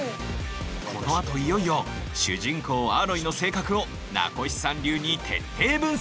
このあといよいよ主人公アーロイの性格を名越さん流に徹底分析！